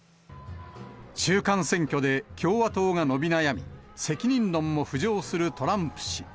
中間選挙で共和党が伸び悩み、責任論も浮上するトランプ氏。